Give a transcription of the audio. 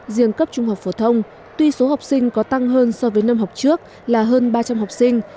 riêng cấp trung học phổ thông tuy số học sinh có tăng hơn so với năm học trước là hơn ba trăm linh học sinh